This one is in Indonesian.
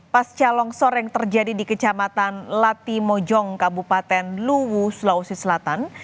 pasca longsor yang terjadi di kecamatan lati mojong kabupaten luwu sulawesi selatan